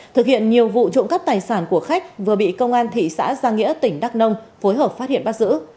thực hiện nhiều vụ trộm cắp tài sản của khách vừa bị công an thị xã giang nghĩa tỉnh đắk nông phối hợp phát hiện bắt giữ